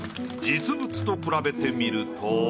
実物と比べてみると。